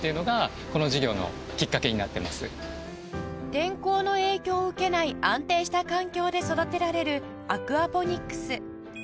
天候の影響を受けない安定した環境で育てられるアクアポニックス